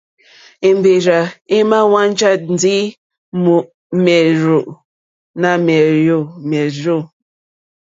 Èmbèrzà èmà hwánjá ndí mèrzó nà mèrzô.